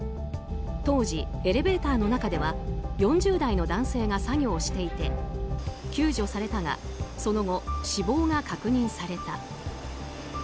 当時、エレベーターの中では４０代の男性が作業していて救助されたがその後、死亡が確認された。